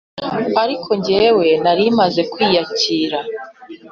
ariko njyewe nari maze kwiyakira